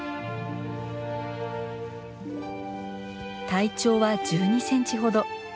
体長は１２センチほど。